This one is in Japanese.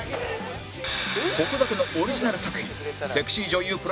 ここだけのオリジナル作品セクシー女優